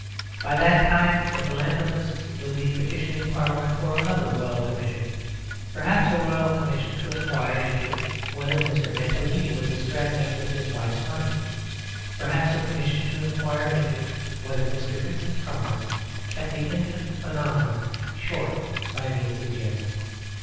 By that time the philanthropists would be petitioning Parliament for another Royal Commission; perhaps a Royal Commission to inquire into whether Mr. Mantalini was extravagant with his wife's money; perhaps a commission to inquire into whether Mr. Vincent Crummles kept the Infant Phenomenon short by means of gin.